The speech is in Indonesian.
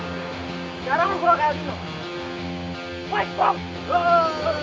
gayanya kayak banget baloi baloi aja posisi yang terkenal lo